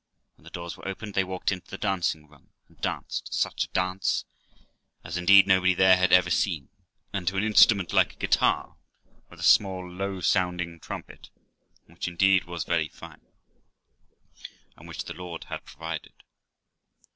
When the doors were opened, they walked into the dancing room, and danced such a dance as indeed nobody there had ever seen, and to an instrument like a guitar, with a small low sounding trumpet, which indeed was very fine, and which my Lord had provided.